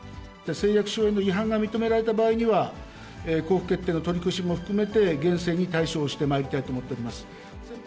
誓約書への違反が認められた場合には、交付決定の取り消しも含めて、厳正に対処をしてまいりたいと思っております。